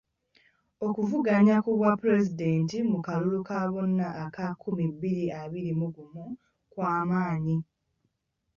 Okuvuganya ku bwapulezidenti mu kalulu ka bonna aka nkumi bbiri abiri mu ggumu kwamanyi.